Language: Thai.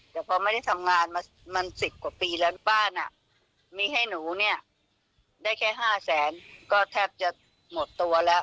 แต่พอไม่ได้ทำงานมา๑๐กว่าปีแล้วนั่นเนี่ยมีให้หนูเนี่ยได้แค่๕๐๐๐๐เหมือนจะหมดตัวแล้ว